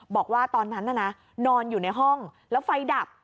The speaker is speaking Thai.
บอกว่าตอนนั้นน่ะนะนอนอยู่ในห้องแล้วไฟดับ